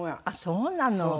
あっそうなの。